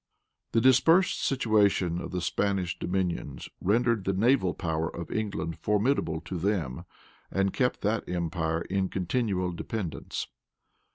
The dispersed situation of the Spanish dominions rendered the naval power of England formidable to them, and kept that empire in continual dependence.